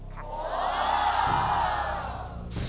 ค่ะโอ้โฮ